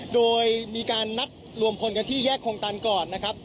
โดยมีการนัดรวมพลกันที่แยกคลองตันก่อน